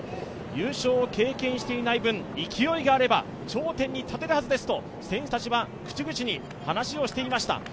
優勝を経験していない分、勢いがあれば頂点に立てるはずですと選手たちは口々に話をしていました。